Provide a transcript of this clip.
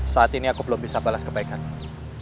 saat ini aku belum bisa balas kebaikan